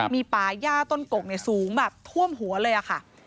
มีป่าย่าต้นกกสูงแบบท่วมหัวเลยค่ะ